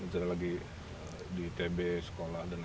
zara lagi di itb sekolah dll